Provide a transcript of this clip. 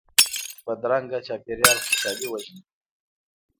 بدرنګه چاپېریال خوشحالي وژني